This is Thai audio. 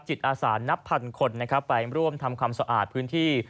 จิตอาสานนับพันคนนะครับไปร่วมทำความสะอาดพื้นที่